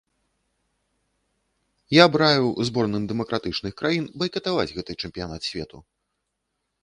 Я б раіў зборным дэмакратычных краін байкатаваць гэты чэмпіянат свету.